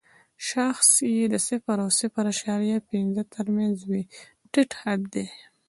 شاخص یې د صفر او صفر اعشاریه پنځه تر مینځ وي ټیټ حد دی.